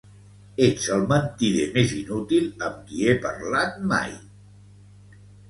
Ets el mentider més inútil amb qui he parlat mai.